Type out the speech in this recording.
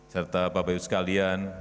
serta bapak ibu sekalian